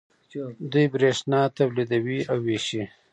دوی بریښنا تولیدوي او ویشي.